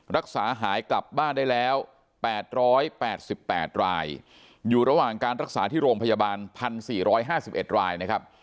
รักษาหายกลับบ้านได้แล้ว๘๘รายอยู่ระหว่างการรักษาที่โรงพยาบาล๑๔๕๑รายนะครับ